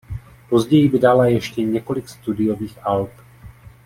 Později vydala ještě několik studiových alb.